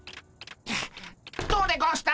どうでゴンした？